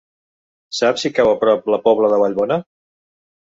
Saps si cau a prop de la Pobla de Vallbona?